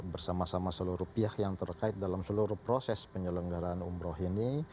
bersama sama seluruh pihak yang terkait dalam seluruh proses penyelenggaraan umroh ini